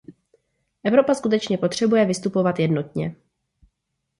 Evropa skutečně potřebuje vystupovat jednotně.